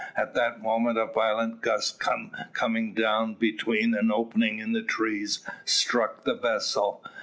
At that moment a violent gust coming down between an opening in the trees struck the vessel.